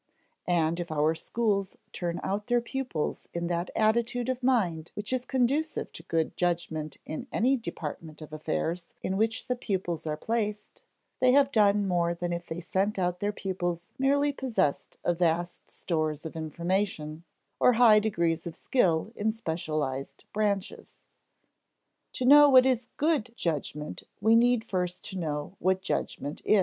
And if our schools turn out their pupils in that attitude of mind which is conducive to good judgment in any department of affairs in which the pupils are placed, they have done more than if they sent out their pupils merely possessed of vast stores of information, or high degrees of skill in specialized branches. To know what is good judgment we need first to know what judgment is.